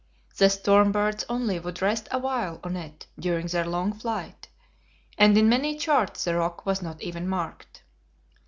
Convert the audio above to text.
The storm birds only would rest awhile on it during their long flight, and in many charts the rock was not even marked.